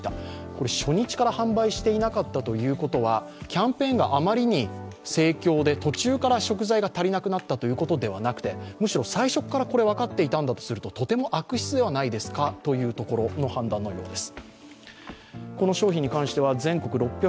キャンペーンがあまりに盛況で途中から食材が足りなくなったということではなくて、むしろ最初から分かっていたのだとすると、とても悪質ではないですかというところの判断のようです。